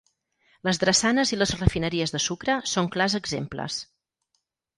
Les drassanes i les refineries de sucre són clars exemples.